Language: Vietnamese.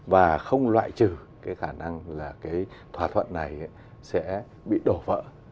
và không loại trừ cái khả năng là cái thỏa thuận này sẽ bị đổ vỡ